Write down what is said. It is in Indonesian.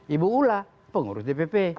ibu ula pengurus dpp